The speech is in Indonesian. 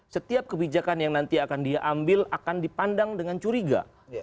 setiap kebijakan yang nanti akan dia ambil akan dipandang dengan curiga